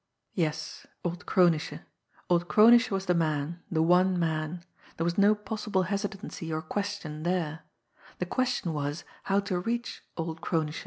Yes old Kronische! Old Kronische was the man, the one than; there was no possible hesitancy or question there the question was how to reach old Kronische.